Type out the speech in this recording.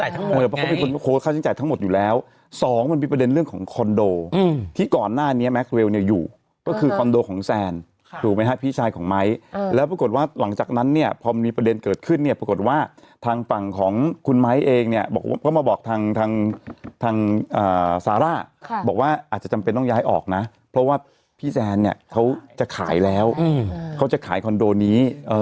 ต้องย้ายออกนะเพราะว่าพี่แซนเนี่ยเขาจะขายแล้วเขาจะขายคอนโดนี้เอ่อ